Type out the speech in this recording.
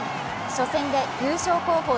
初戦で優勝候補